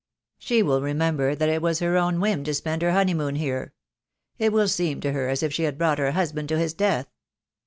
She will remember that it was her own whim to spend her honeymoon here. It will seem to her as if she had brought her husband to his death.